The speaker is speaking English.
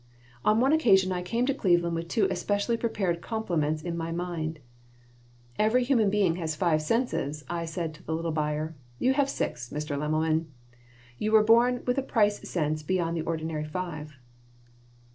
On one occasion I came to Cleveland with two especially prepared compliments in my mind "Every human being has five senses," I said to the little buyer. "You have six, Mr. Lemmelmann. You were born with a price sense besides the ordinary five."